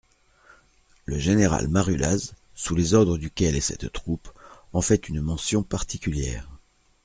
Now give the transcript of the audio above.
Le général Marulaz, sous les ordres duquel est cette troupe, en fait une mention, particulière.